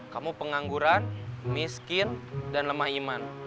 kamu pengangguran miskin dan lemah iman